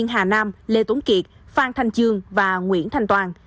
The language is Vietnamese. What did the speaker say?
hà nam lê tốn kiệt phan thanh chương và nguyễn thanh toàn